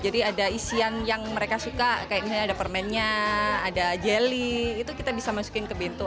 jadi ada isian yang mereka suka kayaknya ada permennya ada jeli itu kita bisa masukin ke bento